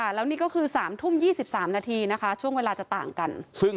แล้วนี่ก็คือ๓ทุ่ม๒๓นาทีนะคะช่วงเวลาจะต่างกัน